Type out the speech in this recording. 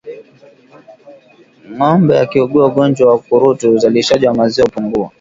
Ngombe akiugua ugonjwa wa ukurutu uzalishaji wa maziwa hupungua